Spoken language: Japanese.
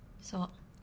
そう。